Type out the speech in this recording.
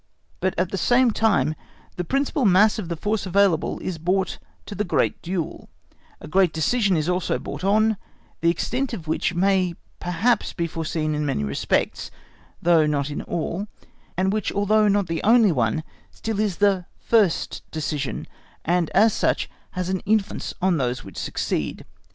But at the same time that the principal mass of the force available is brought to the great duel, a great decision is also brought on, the extent of which may perhaps be foreseen in many respects, though not in all, and which although not the only one, still is the first decision, and as such, has an influence on those which succeed.